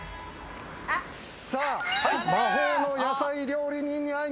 さあ、魔法の野菜料理人に会いに。